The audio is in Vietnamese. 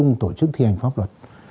trong tổ chức thi hành pháp luật